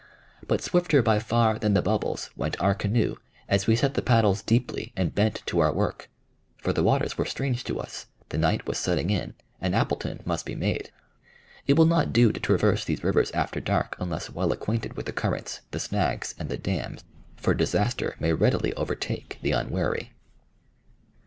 But swifter by far than the bubbles went our canoe as we set the paddles deeply and bent to our work, for the waters were strange to us, the night was setting in, and Appleton must be made. It will not do to traverse these rivers after dark unless well acquainted with the currents, the snags, and the dams, for disaster may readily overtake the unwary.